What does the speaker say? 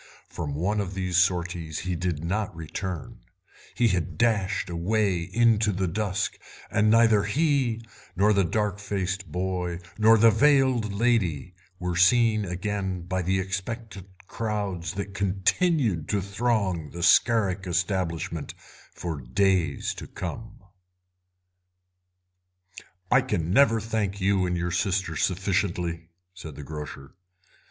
From one of these sorties he did not return; he had dashed away into the dusk, and neither he nor the dark faced boy nor the veiled lady were seen again by the expectant crowds that continued to throng the Scarrick establishment for days to come. "I can never thank you and your sister sufficiently," said the grocer.